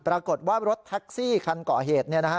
ปรากฏว่ารถแท็กซี่คันเกาะเหตุ